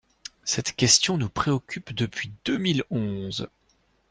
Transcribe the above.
Cette question nous préoccupe depuis deux mille onze.